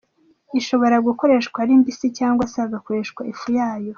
Ishobora gukoreshwa ari mbisi cyangwa se hagakoreshwa ifu yayo.